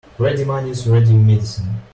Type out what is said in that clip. Ready money is ready medicine.